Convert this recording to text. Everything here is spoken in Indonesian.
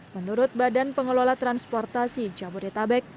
menurut badan pengelola transportasi jabodetabek